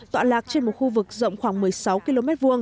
tọa lạc trên một khu vực rộng khoảng một mươi sáu km hai